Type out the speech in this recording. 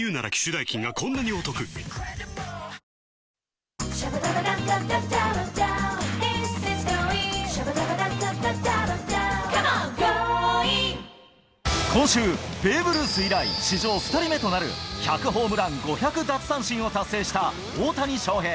この後今週、ベーブ・ルース以来、史上２人目となる１００ホームラン、５００奪三振を達成した大谷翔平。